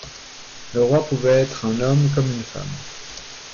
Le roi pouvait être un homme comme une femme.